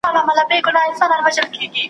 شیخه تا چي به په حق تکفیرولو `